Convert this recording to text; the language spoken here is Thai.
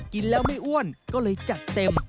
กินแล้วไม่อ้วนก็เลยจัดเต็ม